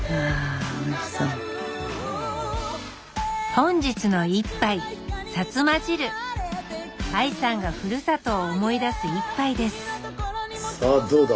本日の一杯ＡＩさんがふるさとを思い出す一杯ですさあどうだ？